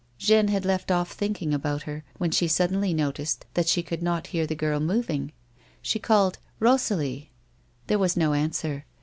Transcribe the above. Jeanne had left oil' thinking a\)Out her, when she suddenly noticeil that she could not hear the girl moving. She called " Kosalie." Thoi'e was no answ er.